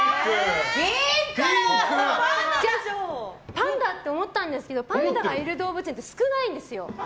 パンダって思ったんですけどパンダがいる動物園って少ないんですよ。